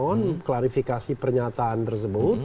dan mengatakan klarifikasi pernyataan tersebut